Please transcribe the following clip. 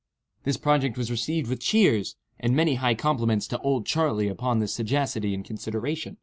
This project was received with cheers, and many high compliments to "Old Charley" upon his sagacity and consideration.